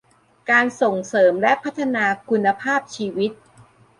การส่งเสริมและพัฒนาคุณภาพชีวิต